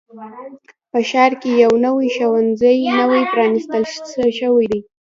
په ښار کې یو نوي ښوونځی نوی پرانیستل شوی دی.